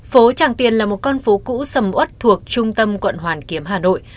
phố tràng tiền là một con phố cũ sầm út thuộc trung tâm quận hoàn kiếm hà nội